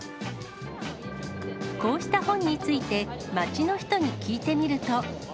こうした本について、街の人に聞いてみると。